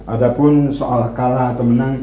ada pun soal kalah atau menang